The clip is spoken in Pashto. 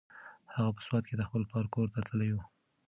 هغه په سوات کې د خپل پلار کور ته تللې وه.